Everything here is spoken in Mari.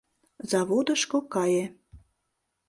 Заводышко кае.